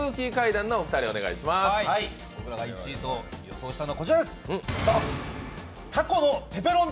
僕らが１位と予想したのはこちらです。